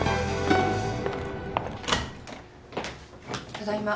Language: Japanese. ただいま。